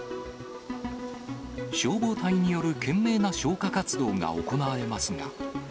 消防隊による懸命な消火活動が行われますが。